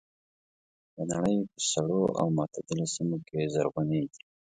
د نړۍ په سړو او معتدلو سیمو کې زرغونېږي.